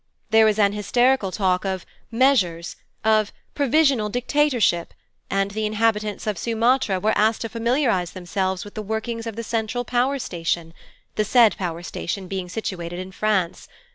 There was an hysterical talk of 'measures,' of 'provisional dictatorship,' and the inhabitants of Sumatra were asked to familiarize themselves with the workings of the central power station, the said power station being situated in France.